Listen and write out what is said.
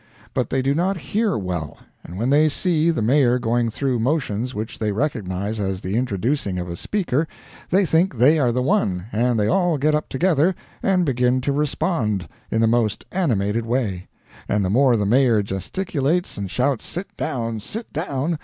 But they do not hear well, and when they see the mayor going through motions which they recognize as the introducing of a speaker, they think they are the one, and they all get up together, and begin to respond, in the most animated way; and the more the mayor gesticulates, and shouts "Sit down! Sit down!"